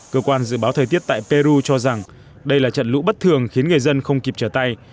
cơ quan dự báo thời tiết tại peru cho rằng đây là trận lũ bất thường khiến người dân không kịp trở tay